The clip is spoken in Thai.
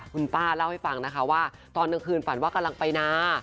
คุณป้าเล่าให้ฟังนะคะว่าตอนกลางคืนฝันว่ากำลังไปนา